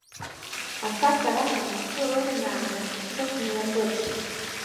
Асаса раҳаны, ахы ырнааны ишьҭыхны иакуп.